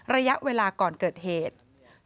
ระยะเวลาก่อนเกิดเหตุ